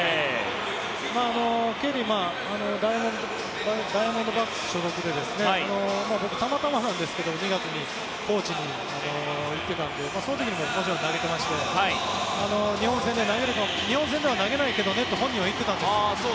ケリーはダイヤモンドバックス所属で僕、たまたまなんですけど２月にコーチに行っててその時ももちろん投げてまして日本戦では投げないけどねと本人は言ってたんです。